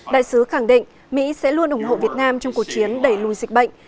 đại sứ khẳng định mỹ sẽ luôn ủng hộ việt nam trong cuộc chiến đẩy lùi dịch bệnh